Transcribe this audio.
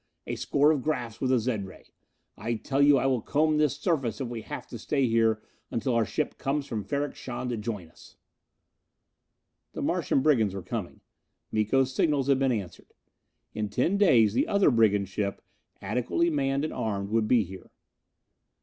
"A score of 'graphs with the zed ray. I tell you I will comb this surface if we have to stay here until our ship comes from Ferrok Shahn to join us!" The Martian brigands were coming. Miko's signals had been answered. In ten days the other brigand ship, adequately manned and armed, would be here.